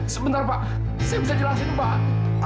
sebentar pak saya bisa jelasin pak